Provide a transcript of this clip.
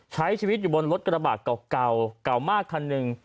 ใช้ชีวิตอยู่บนรถกระบาดเก่าเก่ามากคันหนึ่ง